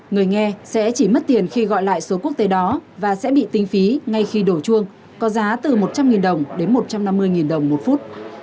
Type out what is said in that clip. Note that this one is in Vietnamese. người nghe sẽ chỉ mất tiền khi gọi lại số quốc tế đó và sẽ bị tính phí ngay khi đổ chuông có giá từ một trăm linh đồng đến một trăm năm mươi đồng một phút